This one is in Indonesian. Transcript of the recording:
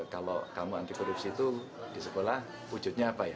kalau kamu anti korupsi itu di sekolah wujudnya apa ya